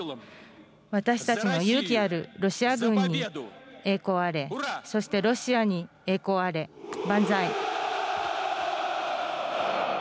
私たちの勇気あるロシア軍に栄光あれ、そしてロシアに栄光あれ、万歳。